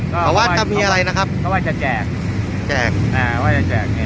เขาว่าจะมีอะไรนะครับเขาว่าจะแจกแจกอ่าเขาว่าจะแจก